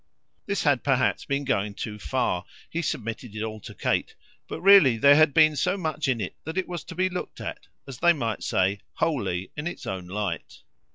This had perhaps been going far he submitted it all to Kate; but really there had been so much in it that it was to be looked at, as they might say, wholly in its own light.